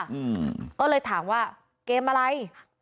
อืมก็เลยถามว่าเกมอะไร